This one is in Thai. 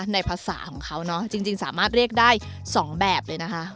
ในภาษาของเขาเนาะจริงสามารถเรียกได้๒แบบเลยนะคะ